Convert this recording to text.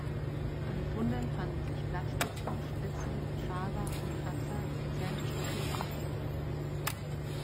An Funden fanden sich Blattspitzen, Spitzen, Schaber und Kratzer, gezähnte Stücke und Klingen.